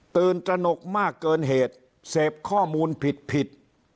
ตระหนกมากเกินเหตุเสพข้อมูลผิดผิด